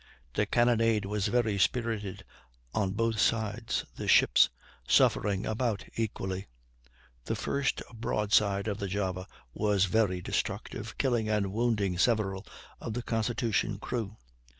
The cannonade was very spirited on both sides, the ships suffering about equally. The first broadside of the Java was very destructive, killing and wounding several of the Constitution's crew.